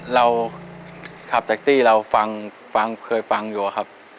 เราขับจากตีเราเคยฟังอยู่ครับ